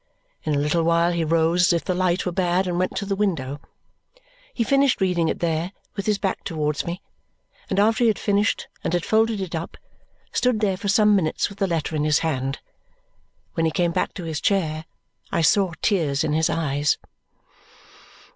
In a little while he rose as if the light were bad and went to the window. He finished reading it there, with his back towards me, and after he had finished and had folded it up, stood there for some minutes with the letter in his hand. When he came back to his chair, I saw tears in his eyes.